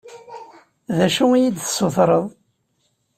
D acu i yi-d-tessutreḍ?